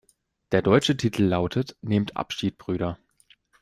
Der deutsche Titel lautet "Nehmt Abschied, Brüder".